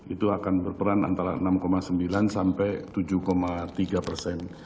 itu akan berperan antara enam sembilan sampai tujuh tiga persen